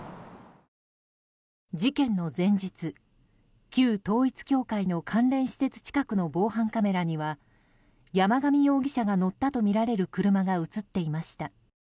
事件の前日旧統一教会の関連施設近くの防犯カメラには、山上容疑者が乗ったとみられる車が映っていました。